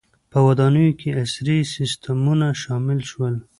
• په ودانیو کې عصري سیستمونه شامل شول.